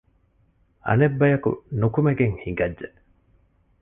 އަނެއް ބަޔަކު ނުކުމެގެން ހިނގައްޖެ